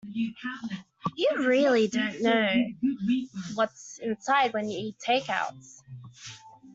You don't really know what's inside when you eat takeouts.